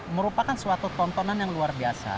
merupakan suatu tontonan yang luar biasa